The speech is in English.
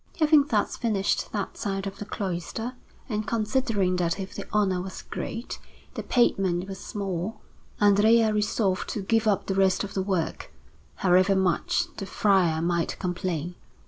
Having thus finished that side of the cloister, and considering that if the honour was great, the payment was small, Andrea resolved to give up the rest of the work, however much the friar might complain.